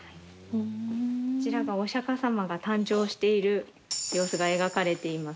こちらがお釈迦様が誕生している様子が描かれています。